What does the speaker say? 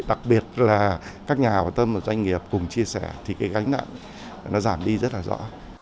đặc biệt là các nhà quan tâm và doanh nghiệp cùng chia sẻ thì cái gánh nặng nó giảm đi rất là rõ